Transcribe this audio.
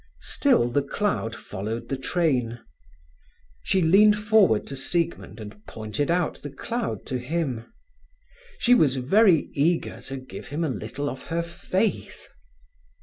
Still the cloud followed the train. She leaned forward to Siegmund and pointed out the cloud to him. She was very eager to give him a little of her faith.